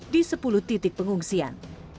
di sepuluh titik pengungsian